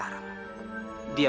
saya juga ingin mencari saskia